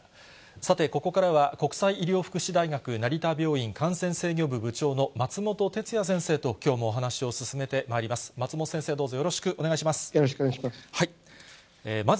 さて、ここからは国際医療福祉大学成田病院感染制御部部長の松本哲哉先生と、きょうもお話を進めてまいります。